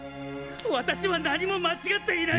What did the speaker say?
私は何も間違っていない！！